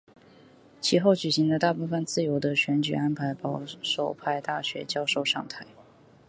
其后举行的大部分自由的选举安排保守派大学教授上台。